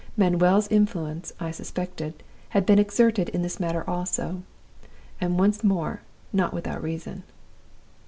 Manuel's influence, I suspected, had been exerted in this matter also, and once more not without reason.